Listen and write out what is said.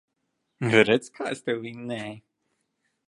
Vai redzi, kā es tevi vinnēju.